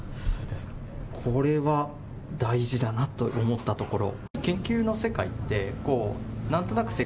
これは大事だなと思ったところ。